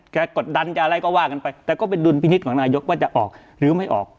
กดดันจะอะไรก็ว่ากันไปแต่ก็เป็นดุลพินิษฐ์ของนายกว่าจะออกหรือไม่ออก